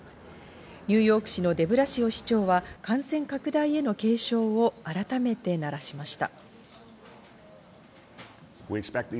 ニューヨーク市のデブラシオ市長は感染拡大への警鐘を改めて鳴らしました。